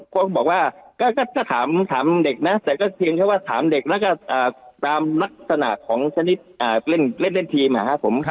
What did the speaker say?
ก็บอกว่าก็ถ้าถามเด็กนะแต่ก็เพียงแค่ว่าถามเด็กแล้วก็ตามลักษณะของชนิดเล่นทีมนะครับผม